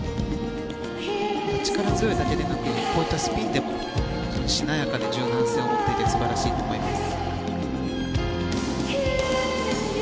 力強いだけでなくこういったスピンでもよりしなやかで柔軟性を持っていて素晴らしいと思います。